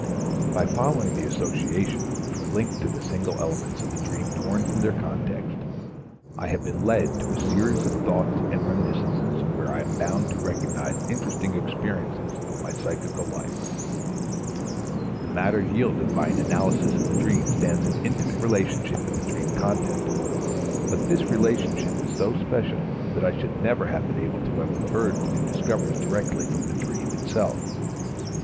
By following the associations which were linked to the single elements of the dream torn from their context, I have been led to a series of thoughts and reminiscences where I am bound to recognize interesting expressions of my psychical life. The matter yielded by an analysis of the dream stands in intimate relationship with the dream content, but this relationship is so special that I should never have been able to have inferred the new discoveries directly from the dream itself.